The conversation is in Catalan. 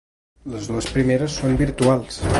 Les dues primeres són virtuals.